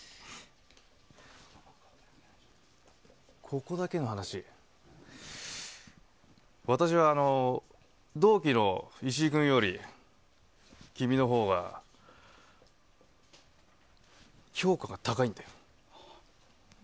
ここだけの話、私は同期の石井君より、君のほうが評価が高いんだよ。